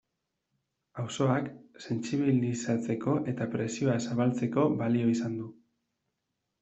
Auzoak sentsibilizatzeko eta presioa zabaltzeko balio izan du.